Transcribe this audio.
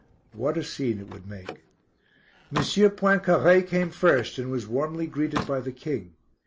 What a scene it would make. M. Poincaré came first, and was warmly greeted by the King.